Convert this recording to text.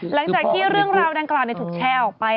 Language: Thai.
หลังจากที่เรื่องราวดังกล่าวถูกแชร์ออกไป